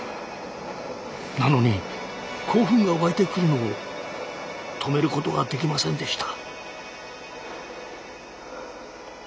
なのに興奮が沸いてくるのを止めることができませんでした。